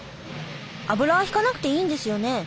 油はひかなくていいんですよね。